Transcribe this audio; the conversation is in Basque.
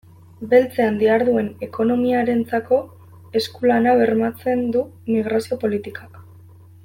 Beltzean diharduen ekonomiarentzako esku-lana bermatzen du migrazio politikak.